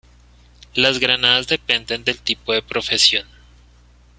Las granadas dependen del tipo de profesión.